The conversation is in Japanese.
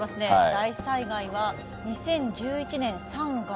「大災害は２０１１年３月」